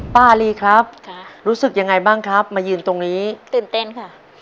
อารีครับรู้สึกยังไงบ้างครับมายืนตรงนี้ตื่นเต้นค่ะ